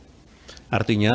penularan menyebabkan penyebabnya